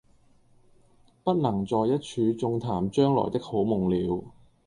不能在一處縱談將來的好夢了，